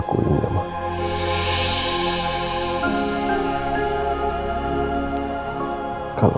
aku harus menangani siapa